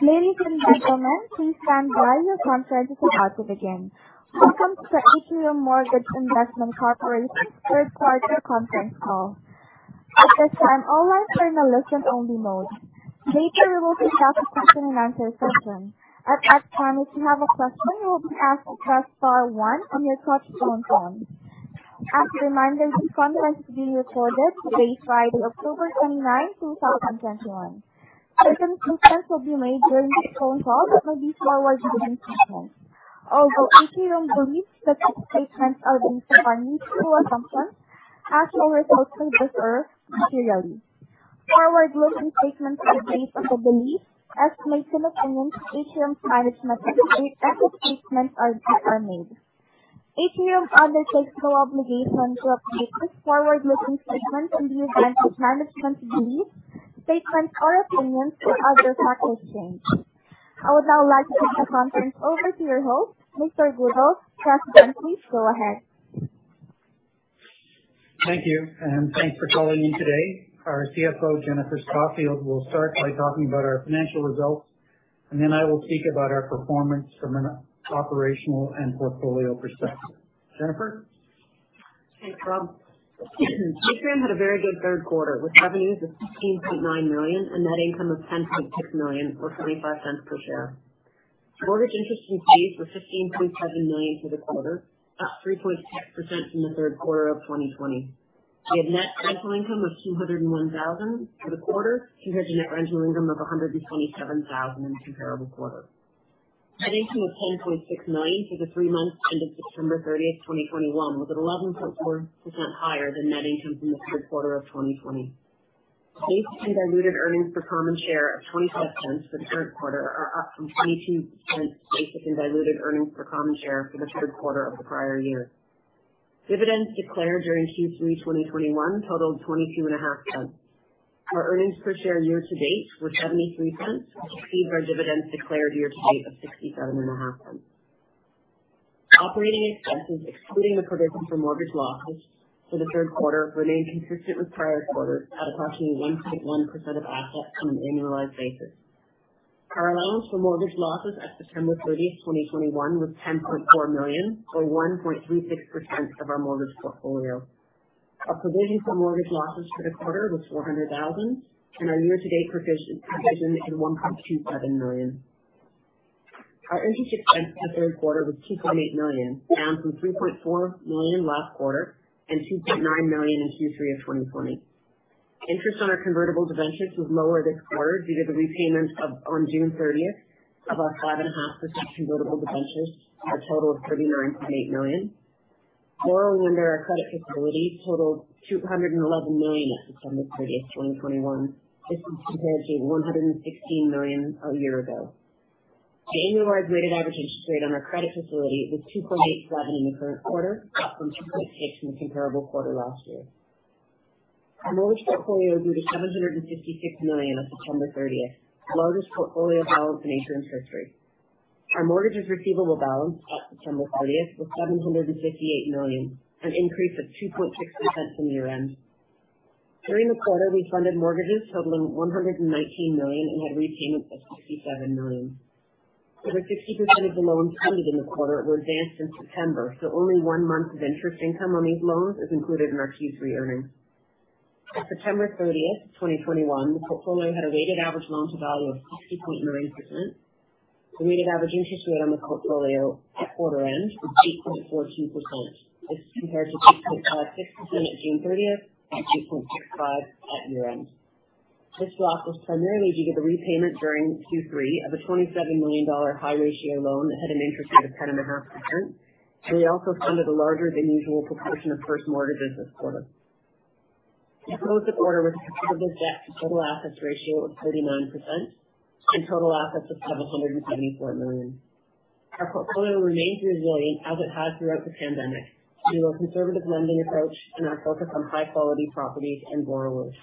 Welcome to Atrium Mortgage Investment Corporation Q3 conference call. At this time, all lines are in a listen-only mode. Later, we will kick off a question-and-answer session. At that time, if you have a question, you will be asked to press star one on your touchtone phone. As a reminder, this conference is being recorded today, Friday, October 29th, 2021. Certain statements will be made during this phone call that will be forward-looking statements. Although Atrium believes that these statements are based upon reasonable assumptions, actual results may differ materially. Forward-looking statements are based on the beliefs, estimates, and opinions Atrium's management makes as such statements are made. Atrium undertakes no obligation to update these forward-looking statements in the event its management's beliefs, statements or opinions or other factors change. I would now like to turn the conference over to your host, Mr. Goodall. Sir, please go ahead. Thank you, and thanks for calling in today. Our CFO, Jennifer Scoffield, will start by talking about our financial results, and then I will speak about our performance from an operational and portfolio perspective. Jennifer? Thanks, Rob. Atrium had a very good Q3, with revenues of 16.9 million and net income of 10.6 million, or 0.25 per share. Mortgage interest received was 15.7 million for the quarter, up 3.6% from the Q3 of 2020. We had net rental income of 201 thousand for the quarter compared to net rental income of 127 thousand in the comparable quarter. Net income of 10.6 million for the three months ended September 30th, 2021, was 11.4% higher than net income from the Q3 of 2020. Basic and diluted earnings per common share of 0.25 for the Q3 are up from 0.22 basic and diluted earnings per common share for the Q3 of the prior year. Dividends declared during Q3 2021 totaled 0.225. Our earnings per share year to date were 0.73, which exceeds our dividends declared year to date of 0.675. Operating expenses, excluding the provision for mortgage losses for the Q3, remained consistent with prior quarters at approximately 1.1% of assets on an annualized basis. Our allowance for mortgage losses on September 30th, 2021, was 10.4 million, or 1.36% of our mortgage portfolio. Our provision for mortgage losses for the quarter was 400 thousand, and our year-to-date provision is 1.27 million. Our interest expense for the Q3 was 2.8 million, down from 3.4 million last quarter and 2.9 million in Q3 of 2020. Interest on our convertible debentures was lower this quarter due to the repayment on June 30 of our 5.5% convertible debentures for a total of 39.8 million. Borrowing under our credit facility totaled 211 million at September 30th, 2021. This is compared to 116 million a year ago. The annualized weighted average interest rate on our credit facility was 2.87% in the current quarter, up from 2.6% in the comparable quarter last year. Our mortgage portfolio grew to CAD 756 million on September 30th, the largest portfolio balance in Atrium's history. Our mortgages receivable balance on September 30th was 758 million, an increase of 2.6% from year-end. During the quarter, we funded mortgages totaling 119 million and had repayments of 67 million. Over 60% of the loans funded in the quarter were advanced in September, so only one month of interest income on these loans is included in our Q3 earnings. On September 30th, 2021, the portfolio had a weighted average loan-to-value of 60.9%. The weighted average interest rate on the portfolio at quarter end was 8.14%. This compared to 6.6% on June 30th and 2.65% at year-end. This drop was primarily due to the repayment during Q3 of a 27 million dollar high-ratio loan that had an interest rate of 10.5%. We also funded a larger than usual proportion of first mortgages this quarter. We closed the quarter with a conservative debt-to-total assets ratio of 39% and total assets of 774 million. Our portfolio remains resilient as it has throughout the pandemic due to a conservative lending approach and our focus on high-quality properties and borrowers.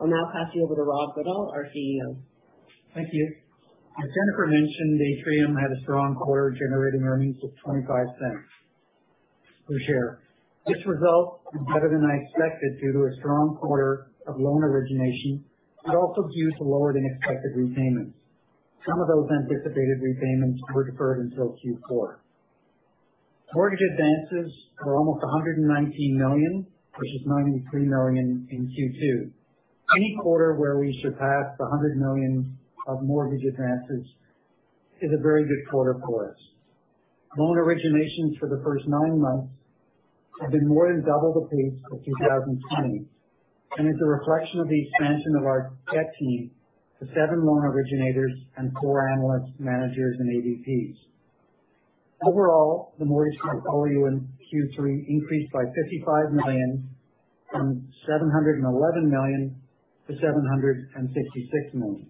I'll now pass you over to Rob Goodall, our CEO. Thank you. As Jennifer mentioned, Atrium had a strong quarter, generating earnings of 0.25 per share. This result was better than I expected due to a strong quarter of loan origination, but also due to lower than expected repayments. Some of those anticipated repayments were deferred until Q4. Mortgage advances were almost 119 million, versus 93 million in Q2. Any quarter where we surpass 100 million of mortgage advances is a very good quarter for us. Loan originations for the first nine months have been more than double the pace of 2020 and is a reflection of the expansion of our tech team to seven loan originators and four analyst managers and ADPs. Overall, the mortgage portfolio in Q3 increased by 55 million from 711-756 million.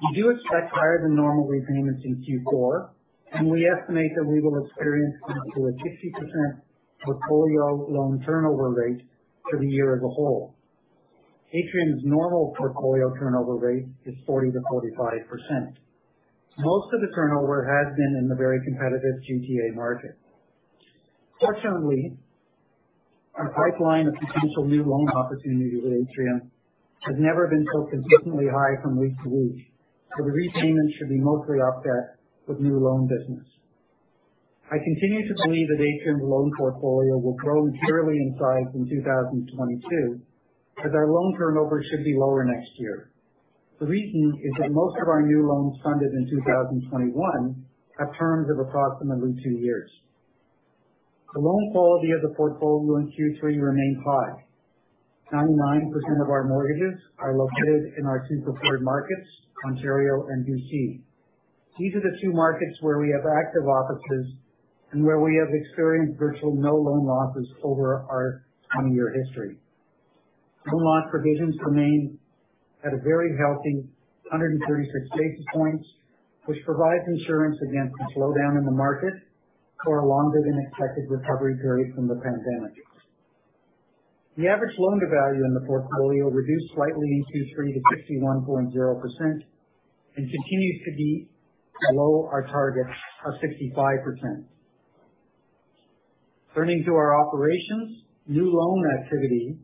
We do expect higher than normal repayments in Q4, and we estimate that we will experience close to a 60% portfolio loan turnover rate for the year as a whole. Atrium's normal portfolio turnover rate is 40%-45%. Most of the turnover has been in the very competitive GTA market. Fortunately, our pipeline of potential new loan opportunities with Atrium has never been so consistently high from week to week, so the repayment should be mostly offset with new loan business. I continue to believe that Atrium's loan portfolio will grow materially in size in 2022, as our loan turnover should be lower next year. The reason is that most of our new loans funded in 2021 have terms of approximately two years. The loan quality of the portfolio in Q3 remained high. 99% of our mortgages are located in our two preferred markets, Ontario and BC. These are the two markets where we have active offices and where we have experienced virtually no loan losses over our 20-year history. Loan loss provisions remain at a very healthy 136-basis points, which provides insurance against a slowdown in the market or a longer than expected recovery period from the pandemic. The average loan-to-value in the portfolio reduced slightly in Q3 to 61.0% and continues to be below our target of 65%. Turning to our operations. New loan activity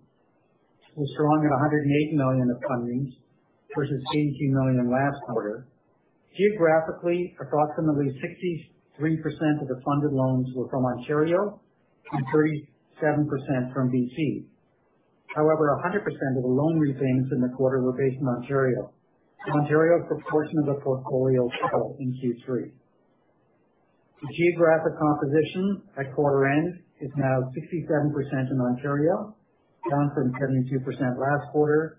was strong at 108 million of fundings versus 18 million last quarter. Geographically, approximately 63% of the funded loans were from Ontario and 37% from BC. However, 100% of the loan repayments in the quarter were based in Ontario. The Ontario proportion of the portfolio fell in Q3. The geographic composition at quarter end is now 67% in Ontario, down from 72% last quarter,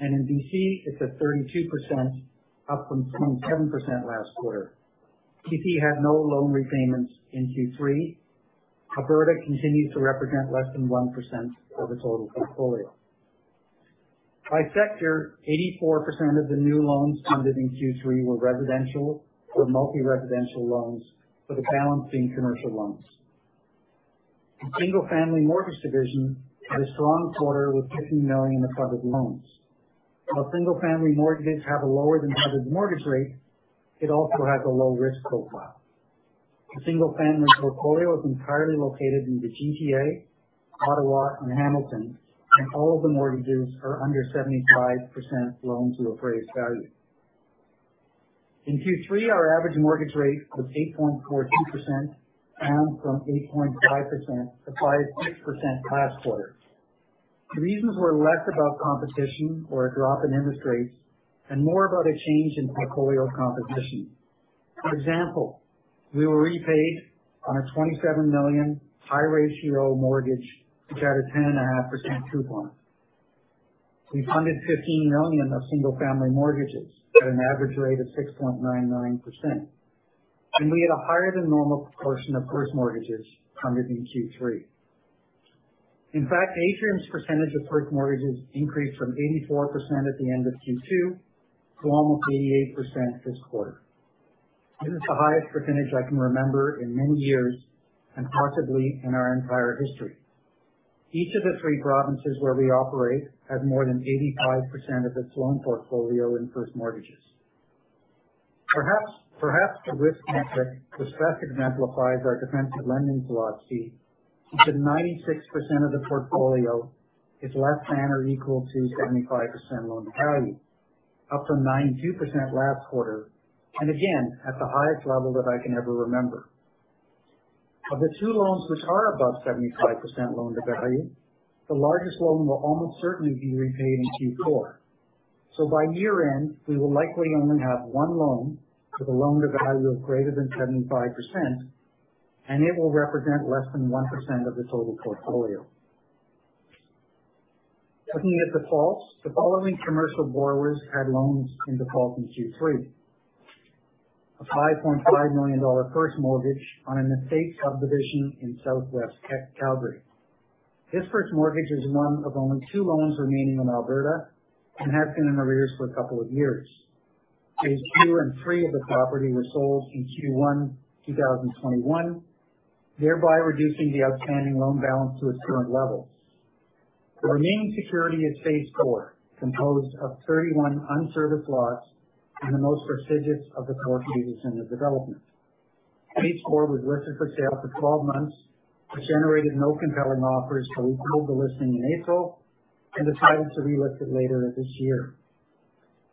and in BC it's at 32%, up from 27% last quarter. BC had no loan repayments in Q3. Alberta continues to represent less than 1% of the total portfolio. By sector, 84% of the new loans funded in Q3 were residential or multi-residential loans, with the balance being commercial loans. The single-family mortgage division had a strong quarter with 15 million in funded loans. While single-family mortgages have a lower than average mortgage rate, it also has a low risk profile. The single-family portfolio is entirely located in the GTA, Ottawa, and Hamilton, and all of the mortgages are under 75% loan to appraised value. In Q3, our average mortgage rate was 8.42%, down from 8.56% last quarter. The reasons were less about competition or a drop in interest rates and more about a change in portfolio composition. For example, we were repaid on a 27 million high-ratio mortgage, which had a 10.5% coupon. We funded 15 million of single-family mortgages at an average rate of 6.99%. We had a higher than normal proportion of first mortgages funded in Q3. In fact, Atrium's percentage of first mortgages increased from 84% at the end of Q2 to almost 88% this quarter. This is the highest percentage I can remember in many years and possibly in our entire history. Each of the three provinces where we operate have more than 85% of its loan portfolio in first mortgages. Perhaps the risk metric which best exemplifies our defensive lending philosophy is that 96% of the portfolio is less than or equal to 75% loan-to-value, up from 92% last quarter, and again, at the highest level that I can ever remember. Of the two loans which are above 75% loan-to-value, the largest loan will almost certainly be repaid in Q4. By year-end, we will likely only have one loan with a loan-to-value of greater than 75%, and it will represent less than 1% of the total portfolio. Looking at defaults, the following commercial borrowers had loans in default in Q3. A 5.5 million dollar first mortgage on an estate subdivision in southwest Calgary. This first mortgage is one of only two loans remaining in Alberta and has been in arrears for a couple of years. Phase two and three of the property were sold in Q1 2021, thereby reducing the outstanding loan balance to its current levels. The remaining security is phase four, composed of 31 un-serviced lots and the most prestigious of the four phases in the development. Phase four was listed for sale for 12 months, but generated no compelling offers, so we pulled the listing in April and decided to relist it later this year.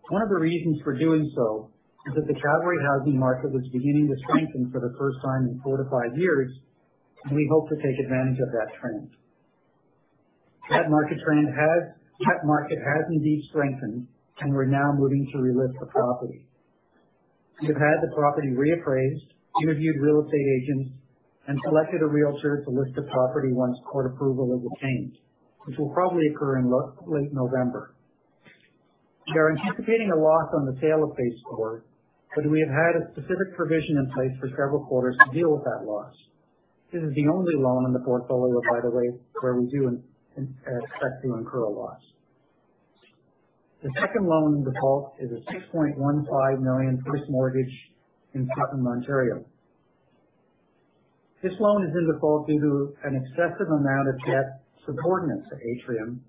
One of the reasons for doing so is that the Calgary housing market was beginning to strengthen for the first time in four to five years, and we hope to take advantage of that trend. That market has indeed strengthened, and we're now moving to relist the property. We have had the property reappraised, interviewed real estate agents, and selected a realtor to list the property once court approval is obtained, which will probably occur in late November. We are anticipating a loss on the sale of phase four, but we have had a specific provision in place for several quarters to deal with that loss. This is the only loan in the portfolio, by the way, where we do expect to incur a loss. The second loan in default is a 6.15 million first mortgage in Tottenham, Ontario. This loan is in default due to an excessive amount of debt subordinate to Atrium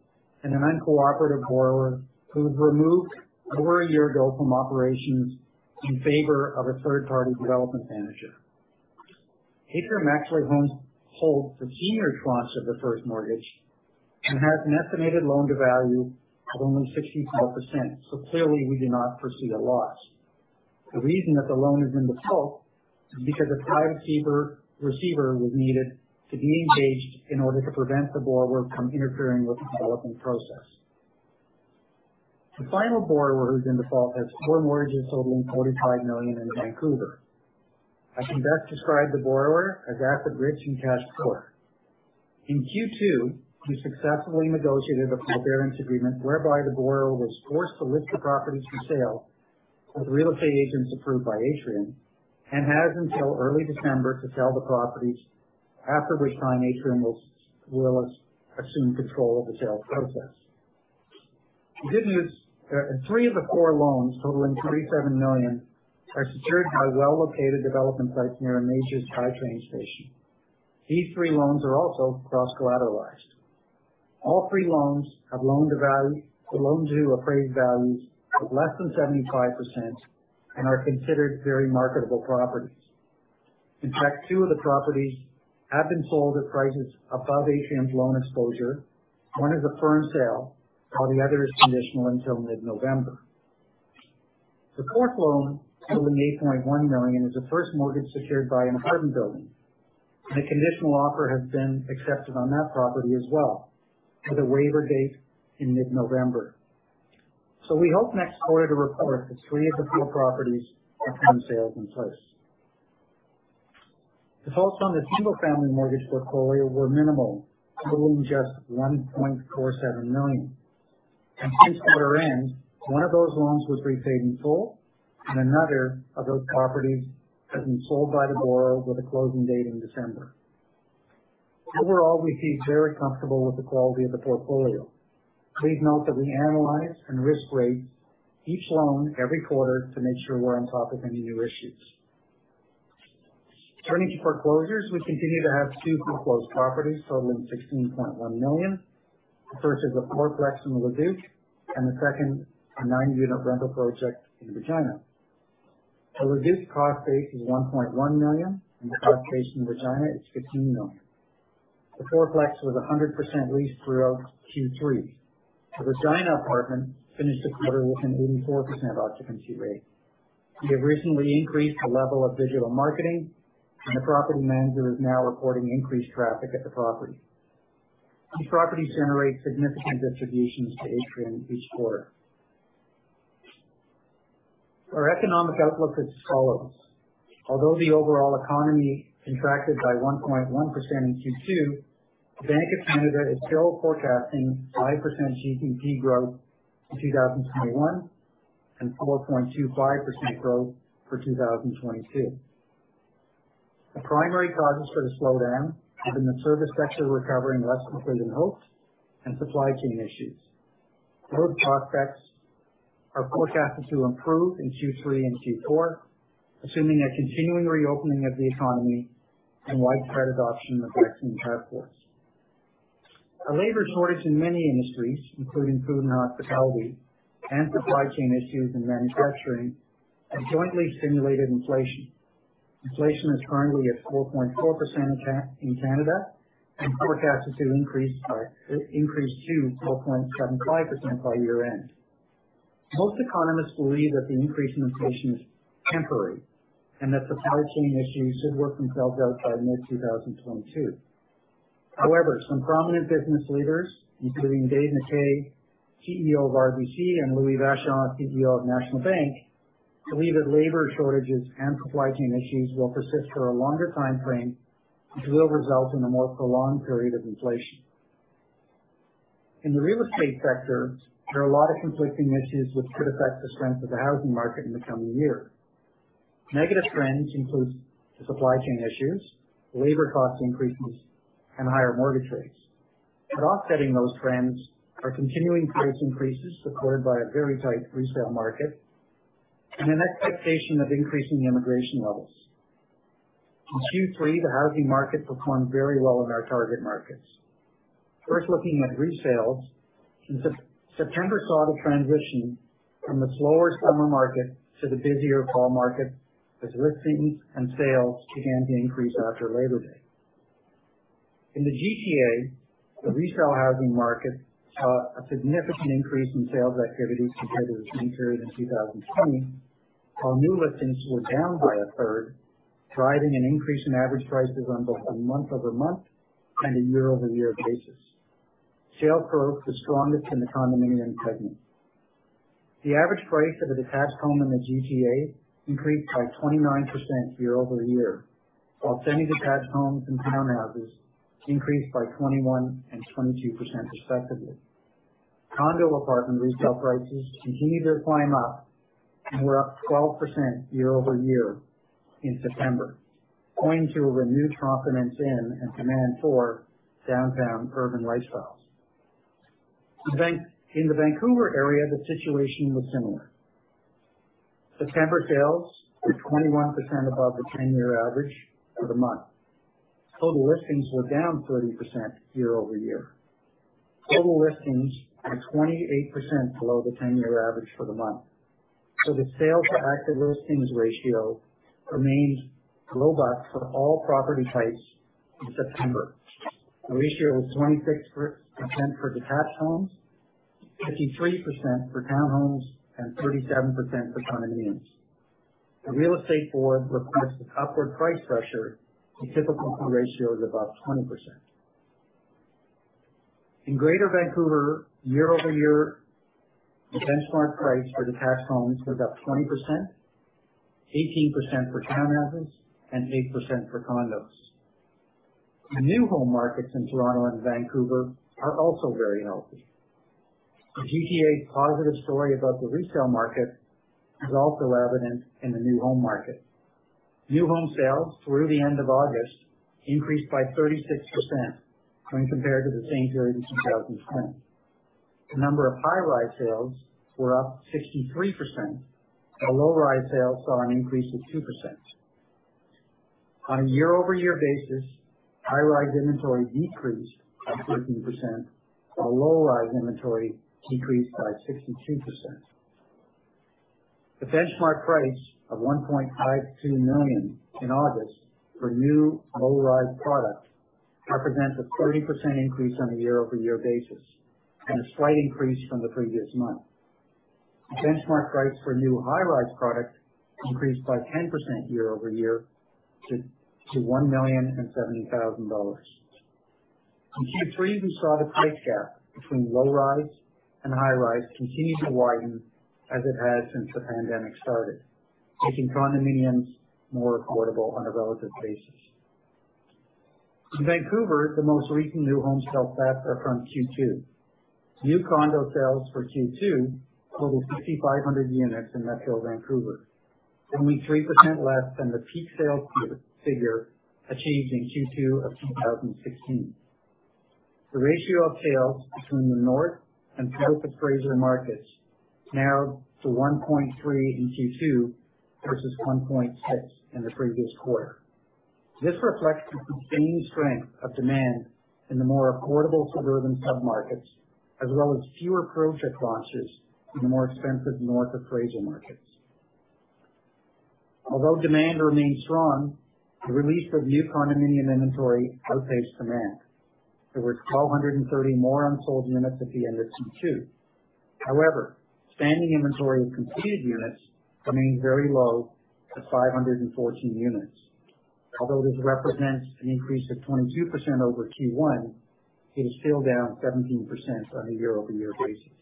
and an uncooperative borrower who we've removed over a year ago from operations in favor of a third-party development manager. Atrium actually holds the senior tranche of the first mortgage and has an estimated loan-to-value of only 64%. Clearly, we do not foresee a loss. The reason that the loan is in default is because a private receiver was needed to be engaged in order to prevent the borrower from interfering with the development process. The final borrower who's in default has four mortgages totaling 45 million in Vancouver. I can best describe the borrower as asset rich and cash poor. In Q2, we successfully negotiated a forbearance agreement whereby the borrower was forced to list the properties for sale with real estate agents approved by Atrium and has until early December to sell the properties, after which time Atrium will assume control of the sales process. The good news, three of the four loans totaling 27 million are secured by well-located development sites near a major SkyTrain station. These three loans are also cross-collateralized. All three loans have loan-to-value to loan-to appraised values of less than 75% and are considered very marketable properties. In fact, two of the properties have been sold at prices above Atrium's loan exposure. One is a firm sale, while the other is conditional until mid-November. The fourth loan, totaling CAD 8.1 million, is a first mortgage secured by an apartment building, and a conditional offer has been accepted on that property as well, with a waiver date in mid-November. We hope next quarter to report that three of the four properties are firm sales in place. Defaults on the single-family mortgage portfolio were minimal, totaling just 1.47 million. Since quarter end, one of those loans was repaid in full, and another of those properties has been sold by the borrower with a closing date in December. Overall, we feel very comfortable with the quality of the portfolio. Please note that we analyze and risk rate each loan every quarter to make sure we're on top of any new issues. Turning to foreclosures, we continue to have two foreclosed properties totaling 16.1 million. The first is a four-plex in Leduc, and the second a nine-unit rental project in Regina. The Leduc cost base is 1.1 million, and the cost base in Regina is 15 million. The four-plex was 100% leased throughout Q3. The Regina apartment finished the quarter with an 84% occupancy rate. We have recently increased the level of digital marketing, and the property manager is now reporting increased traffic at the property. These properties generate significant distributions to Atrium each quarter. Our economic outlook is as follows. Although the overall economy contracted by 1.1% in Q2, the Bank of Canada is still forecasting 5% GDP growth in 2021 and 4.25% growth for 2022. The primary causes for the slowdown have been the service sector recovering less quickly than hoped and supply chain issues. Both prospects are forecasted to improve in Q3 and Q4, assuming a continuing reopening of the economy and widespread adoption of vaccine passports. A labor shortage in many industries, including food and hospitality and supply chain issues in manufacturing, have jointly stimulated inflation. Inflation is currently at 4.4% in Canada and forecasted to increase to 4.75% by year-end. Most economists believe that the increase in inflation is temporary and that supply chain issues should work themselves out by mid-2022. However, some prominent business leaders, including Dave McKay, CEO of RBC, and Louis Vachon, CEO of National Bank of Canada, believe that labor shortages and supply chain issues will persist for a longer timeframe, which will result in a more prolonged period of inflation. In the real estate sector, there are a lot of conflicting issues which could affect the strength of the housing market in the coming year. Negative trends include the supply chain issues, labor cost increases, and higher mortgage rates. Offsetting those trends are continuing price increases supported by a very tight resale market and an expectation of increasing immigration levels. In Q3, the housing market performed very well in our target markets. First, looking at resales, September saw the transition from the slower summer market to the busier fall market, with listings and sales beginning to increase after Labor Day. In the GTA, the resale housing market saw a significant increase in sales activity compared to the same period in 2020, while new listings were down by a third, driving an increase in average prices on both a month-over-month and a year-over-year basis. Sales growth was strongest in the condominium segment. The average price of a detached home in the GTA increased by 29% year over year, while semi-detached homes and townhouses increased by 21% and 22% respectively. Condo apartment resale prices continued their climb up and were up 12% year over year in September, owing to a renewed confidence in and demand for downtown urban lifestyles. In the Vancouver area, the situation was similar. September sales were 21% above the 10-year average for the month. Total listings were down 30% year-over-year. Total listings are 28% below the 10-year average for the month. The sales to active listings ratio remains robust for all property types in September. The ratio was 26% for detached homes, 53% for townhomes, and 37% for condominiums. The real estate board ratio suggests upward price pressure, the typical ratio is about 20%. In Greater Vancouver, year-over-year, the benchmark price for detached homes was up 20%, 18% for townhouses, and 8% for condos. The new home markets in Toronto and Vancouver are also very healthy. The GTA positive story about the resale market is also evident in the new home market. New home sales through the end of August increased by 36% when compared to the same period in 2020. The number of high-rise sales were up 63%, while low-rise sales saw an increase of 2%. On a year-over-year basis, high-rise inventory decreased by 13%, while low-rise inventory decreased by 62%. The benchmark price of 1.52 million in August for new low-rise product represents a 30% increase on a year-over-year basis and a slight increase from the previous month. The benchmark price for new high-rise product increased by 10% year-over-year to CAD 1.07 million. In Q3, we saw the price gap between low-rise and high-rise continue to widen as it has since the pandemic started, making condominiums more affordable on a relative basis. In Vancouver, the most recent new home sales stats are from Q2. New condo sales for Q2 totaled 5,500 units in Metro Vancouver, only 3% less than the peak sales figure achieved in Q2 of 2016. The ratio of sales between the North and South Fraser markets narrowed to 1.3 in Q2, versus 1.6 in the previous quarter. This reflects the sustained strength of demand in the more affordable suburban submarkets, as well as fewer project launches in the more expensive North Fraser markets. Although demand remains strong, the release of new condominium inventory outpaced demand. There were 1,230 more unsold units at the end of Q2. However, standing inventory of completed units remains very low at 514 units. Although this represents an increase of 22% over Q1, it is still down 17% on a year-over-year basis.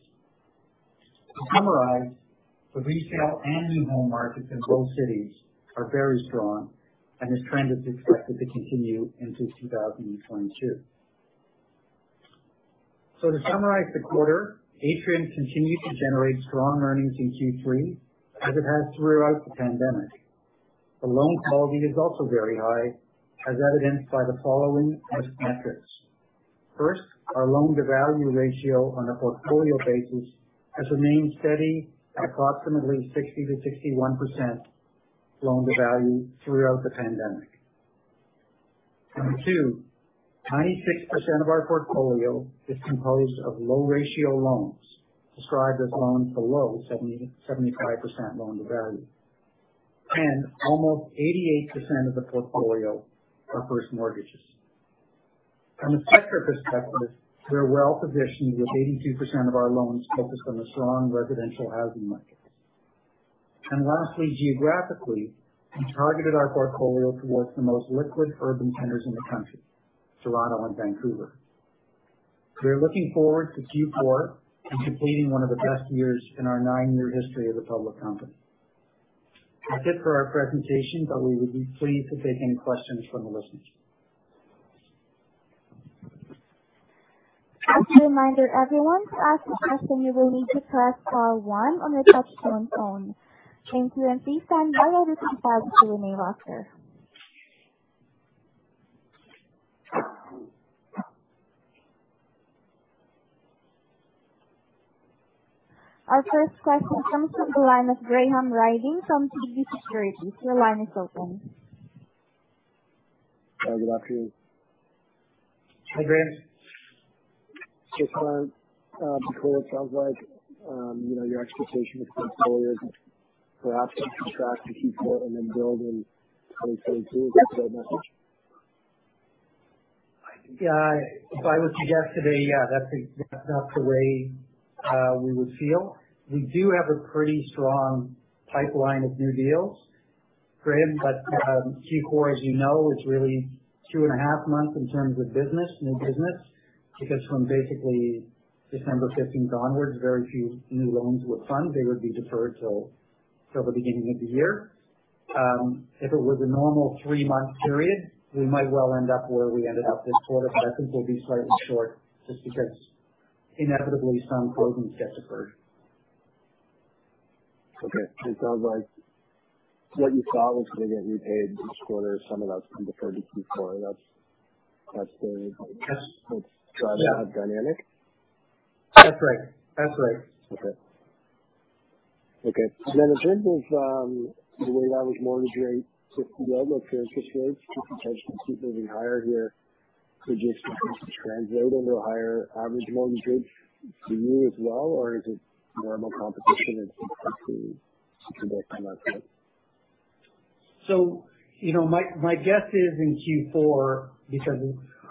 To summarize, the resale and new home markets in both cities are very strong, and this trend is expected to continue into 2022. To summarize the quarter, Atrium continued to generate strong earnings in Q3 as it has throughout the pandemic. The loan quality is also very high, as evidenced by the following risk metrics. First, our loan-to-value ratio on a portfolio basis has remained steady at approximately 60%-61% loan-to-value throughout the pandemic. Number two, 96% of our portfolio is composed of low-ratio loans, described as loans below 70%-75% loan-to-value. Almost 88% of the portfolio are first mortgages. From a sector perspective, we are well-positioned, with 82% of our loans focused on the strong residential housing markets. Lastly, geographically, we targeted our portfolio towards the most liquid urban centers in the country, Toronto and Vancouver. We are looking forward to Q4 and completing one of the best years in our nine-year history as a public company. That's it for our presentation, but we would be pleased to take any questions from the listeners. As a reminder, everyone, to ask a question, you will need to press star one on your touchtone phone. Thank you, and please stand by while we prepare the Q&A roster. Our first question comes from the line of Graham Ryding from TD Securities. Your line is open. Hi, good afternoon. Hi, Graham. Just on, before it sounds like, you know, your expectation is going forward for assets to track to Q4 and then build in 2022. Is that the right message? Yeah. If I was to guess today, yeah, that's about the way we would feel. We do have a pretty strong pipeline of new deals, Graham. Q4, as you know, is really two and a half months in terms of business, new business. Because from basically December fifteenth onwards, very few new loans were funded. They would be deferred till the beginning of the year. If it was a normal three-month period, we might well end up where we ended up this quarter, but I think we'll be slightly short just because inevitably some closings get deferred. Okay. It sounds like what you saw was going to get repaid each quarter, some of that's been deferred to Q4. That's the- Yeah. That's driving that dynamic? That's right. Okay. In terms of the way average mortgage rates shift along with interest rates, just potentially moving higher here could just translate into higher average mortgage rates for you as well or is it more of a competition and... You know, my guess is in Q4, because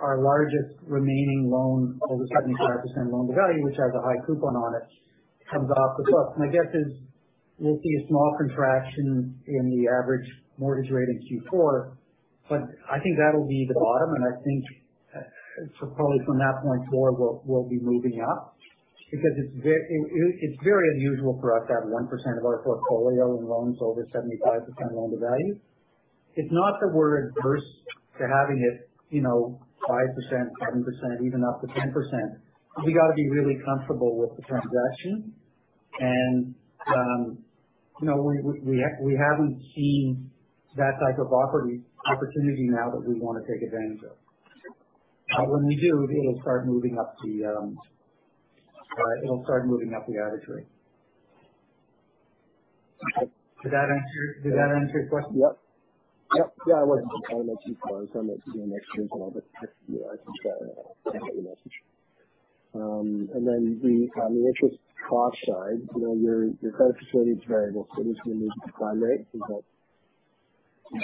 our largest remaining loan over 75% loan-to-value, which has a high coupon on it, comes off as well. My guess is we'll see a small contraction in the average mortgage rate in Q4, but I think that'll be the bottom. I think probably from that point forward, we'll be moving up because it's very unusual for us to have 1% of our portfolio in loans over 75% loan-to-value. It's not that we're averse to having it, you know, 5%, 7%, even up to 10%. We gotta be really comfortable with the transaction. We haven't seen that type of opportunity now that we want to take advantage of. When we do, it'll start moving up the average rate. Did that answer your question? Yeah, I wasn't trying to make too close. I'm not doing next year's call, but I just wanted to get the message. On the interest cost side, you know, your credit facility is variable. This will move with the prime rate. Is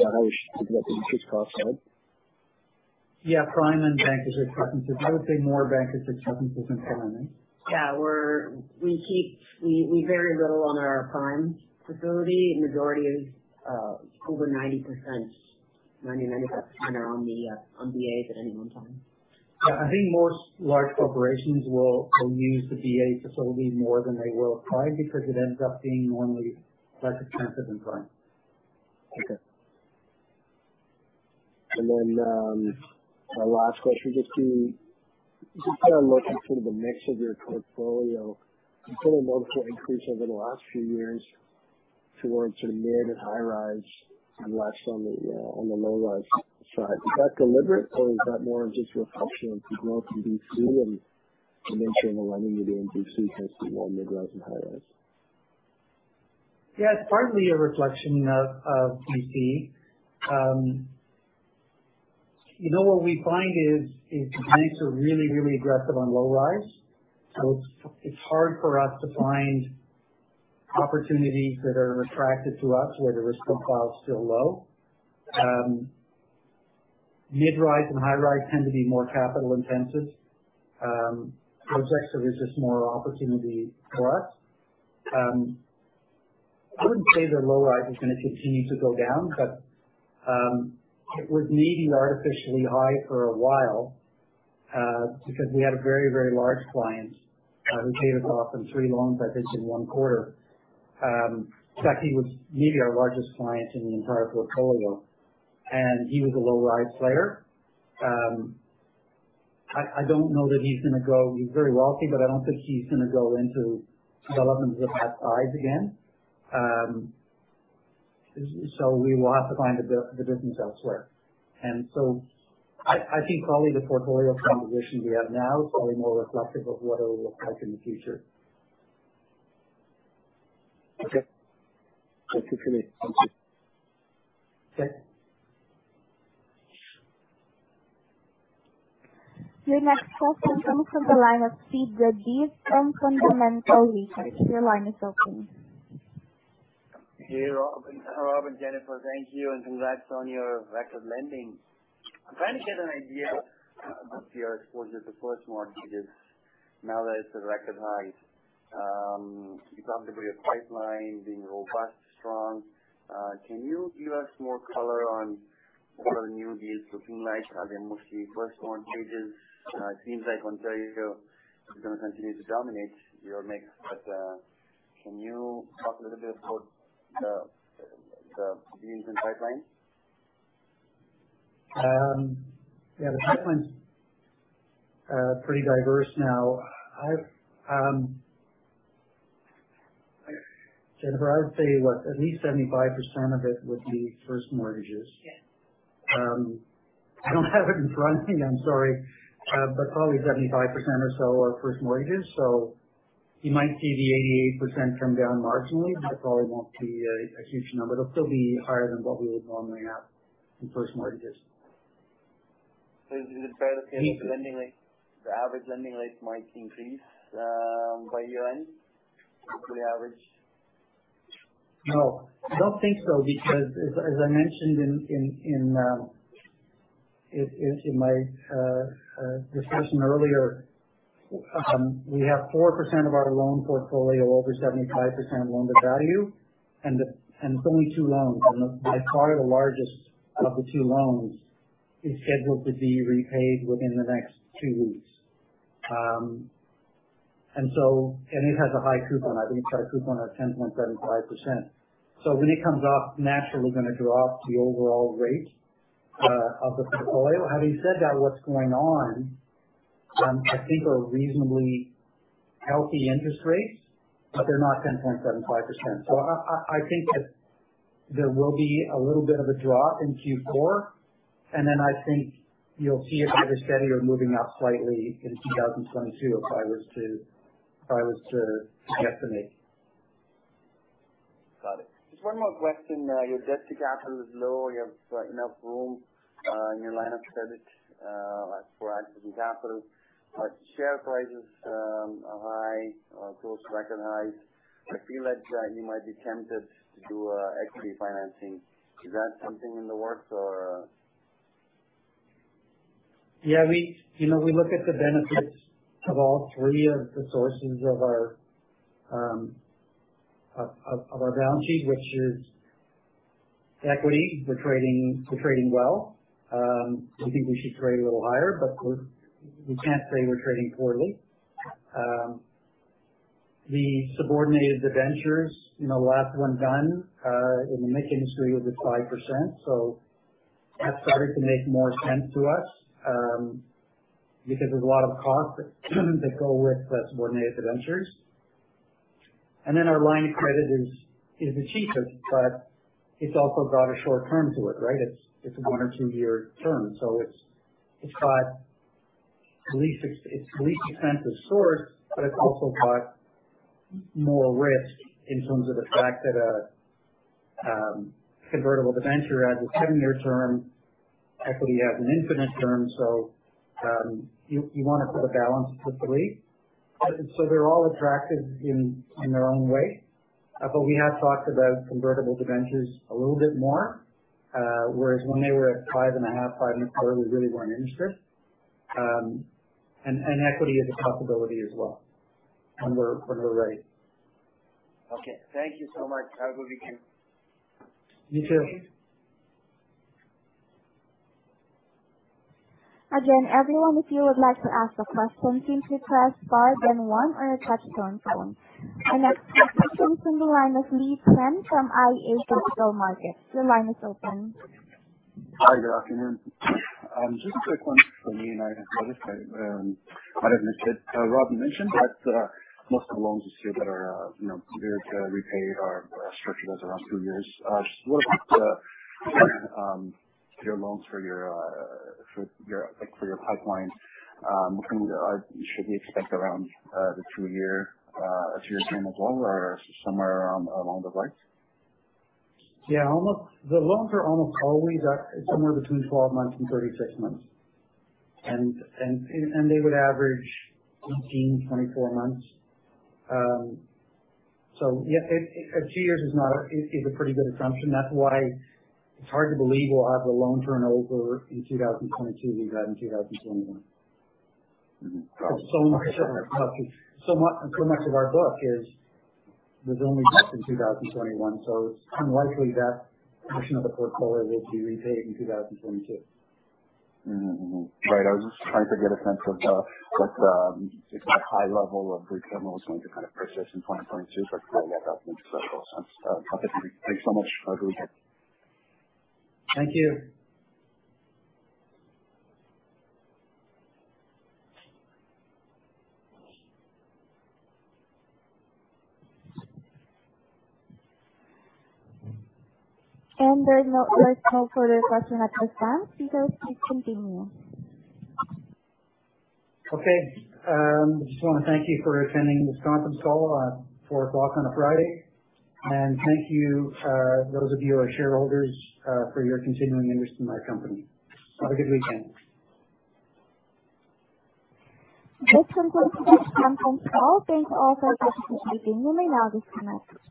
that how you should look at the interest cost side? Yeah, prime and bankers' acceptance. I would say more bankers' acceptance than prime. We keep very little on our prime facility. Majority is over 90%. 95% are on BAs at any one time. Yeah. I think most large corporations will use the BA facility more than they will prime because it ends up being often less expensive than prime. Okay. my last question, just to kind of look at sort of the mix of your portfolio. You've seen a noticeable increase over the last few years towards sort of mid and high rise and less on the, on the low rise side. Is that deliberate or is that more just a reflection of the growth in BC and the mix in the lending you're doing in BC tends to be more mid rise and high rise? Yeah, it's partly a reflection of BC. You know, what we find is banks are really aggressive on low rise. It's hard for us to find opportunities that are attractive to us where the risk profile is still low. Mid rise and high rise tend to be more capital intensive. There's just more opportunity for us. I wouldn't say the low rise is going to continue to go down, but it was maybe artificially high for a while because we had a very large client who paid us off in three loans, I think, in one quarter. In fact, he was maybe our largest client in the entire portfolio, and he was a low rise player. I don't know that he's going to go. He's very wealthy, but I don't think he's going to go into developments of that size again. So we will have to find the business elsewhere. I think probably the portfolio composition we have now is probably more reflective of what it will look like in the future. Okay. That's it for me. Thank you. Okay. Your next question comes from the line of Sid Rajeev from Fundamental Research. Your line is open. Hey, Rob and Jennifer. Thank you and congrats on your record lending. I'm trying to get an idea of your exposure to first mortgages now that it's at record height. You talked about your pipeline being robust, strong. Can you give us more color on what are new deals looking like? Are they mostly first mortgages? It seems like Ontario is going to continue to dominate your mix. Can you talk a little bit about the deals in pipeline? Yeah, the pipeline's pretty diverse now. I've Jennifer, I would say, what? At least 75% of it would be first mortgages. Yes. I don't have it in front of me. I'm sorry. Probably 75% or so are first mortgages. You might see the 88% come down marginally, but it probably won't be a huge number. It'll still be higher than what we would normally have in first mortgages. Is it fair to say the lending rates, the average lending rates might increase, by year-end, roughly average? No, I don't think so, because as I mentioned in my discussion earlier, we have 4% of our loan portfolio over 75% loan-to-value. It's only two loans. The by far largest of the two loans is scheduled to be repaid within the next two weeks. It has a high coupon. I think it's got a coupon of 10.75%. When it comes off, naturally we're going to drop the overall rate of the portfolio. Having said that, what's going on, I think, are reasonably healthy interest rates, but they're not 10.75%. I think there will be a little bit of a drop in Q4, and then I think you'll see it either steady or moving up slightly in 2022 if I was to guesstimate. Got it. Just one more question. Your debt to capital is low. You have enough room in your line of credit for accessing capital. Share prices are high, close to record highs. I feel like you might be tempted to do equity financing. Is that something in the works or? We look at the benefits of all three of the sources of our balance sheet, which is equity. We're trading well. We think we should trade a little higher, but we can't say we're trading poorly. The subordinated debentures, you know, the last one done in the MIC industry was at 5%, so that started to make more sense to us, because there's a lot of costs that go with the subordinated debentures. Our line of credit is the cheapest, but it's also got a short term to it, right? It's a one- or two-year term. It's the least expensive source, but it's also got more risk in terms of the fact that convertible debenture has a 10-year term. equity has an infinite term. You want to put a balance to the three. They're all attractive in their own way. We have talked about convertible debentures a little bit more, whereas when they were at 5.5%, 5.25%, we really weren't interested. equity is a possibility as well when we're ready. Okay. Thank you so much. Have a good weekend. You too. Again, everyone, if you would like to ask a question, please press star then one on a touchtone phone. Our next question comes from the line of Lee Pan from iA Capital Markets. Your line is open. Hi, good afternoon. Just a quick one for me. I guess I might have missed it. Rob mentioned that most of the loans this year that are, you know, prepared to repay are structured as around two years. Just what about your loans for your pipeline? When should we expect around a two-year term as well, or somewhere along those lines? Yeah. The loans are almost always at somewhere between 12 months and 36 months. They would average 18-24 months. Yeah, two years is a pretty good assumption. That's why it's hard to believe we'll have the loan turnover in 2022 we've had in 2021. Mm-hmm. Much of our book was only bought in 2021, so it's unlikely that portion of the portfolio will be repaid in 2022. Mm-hmm. Right. I was just trying to get a sense of if that high level of prepayment was going to kind of persist in 2022, but that makes total sense. Okay. Thanks so much. Have a good weekend. Thank you. There are no other calls for the question at this time. You guys please continue. Okay. I just want to thank you for attending this conference call at 4:00 P.M. on a Friday. Thank you, those of you who are shareholders, for your continuing interest in our company. Have a good weekend. This concludes today's conference call. Thanks to all for your participation. You may now disconnect.